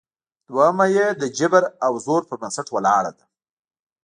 دوهمه یې د جبر او زور پر بنسټ ولاړه ده